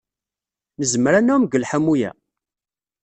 Nezmer ad nɛum deg lḥamu-a?